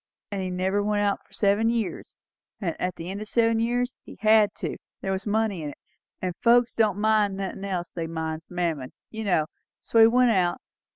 An' he never went out for seven years; and at the end o' seven years he had to there was money in it and folks that won't mind nothin' else, they minds Mammon, you know; so he went out.